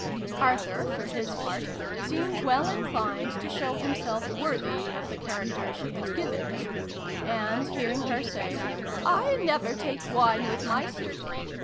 Arthur, for his part, seemed well 134 SYLVIE AND BRUNO CONCLUDED. inclined to show himself worthy of the character she had given him, and, hearing her say " I never take wine with my soup